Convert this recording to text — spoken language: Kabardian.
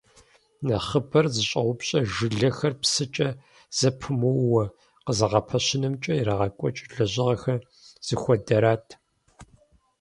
Нэхъыбэр зыщӀэупщӀэр жылэхэр псыкӀэ зэпымыууэ къызэгъэпэщынымкӀэ ирагъэкӀуэкӀ лэжьыгъэхэр зыхуэдэрат.